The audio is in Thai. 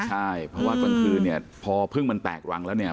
ใช่เพราะว่ากลางคืนเนี่ยพอพึ่งมันแตกรังแล้วเนี่ย